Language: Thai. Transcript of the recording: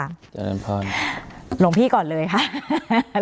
ร่วงพี่ก่อนเลยค่ะ